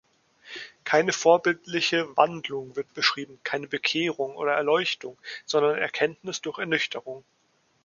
Keine vorbildliche „Wandlung“ wird beschrieben, keine „Bekehrung“ oder „Erleuchtung“, sondern Erkenntnis durch „Ernüchterung“.